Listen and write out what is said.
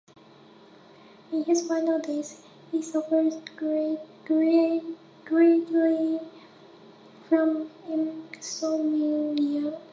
In his final days he suffered greatly from insomnia.